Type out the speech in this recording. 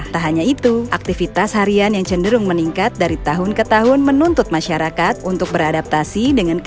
tak hanya itu aktivitas harian yang cenderung meningkat dari tahun ke tahun menuntut masyarakat untuk beradaptasi dengan keluarga